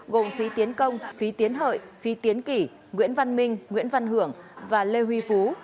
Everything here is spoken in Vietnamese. gồm phí tiến công phí tiến hợi phi tiến kỳ nguyễn văn minh nguyễn văn hưởng và lê huy phú